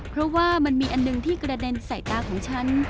เพราะว่ามันมีอันหนึ่งที่กระเด็นใส่ตาของฉัน